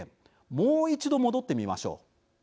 もう一度戻ってみましょう。